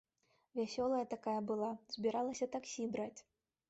Вясёлая такая была, збіралася таксі браць.